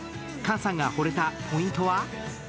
菅さんがほれたポイントは？